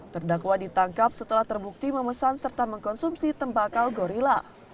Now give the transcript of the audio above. terdakwa ditangkap setelah terbukti memesan serta mengkonsumsi tembakau gorilla